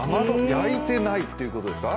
焼いてないということですか？